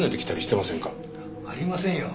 ありませんよ。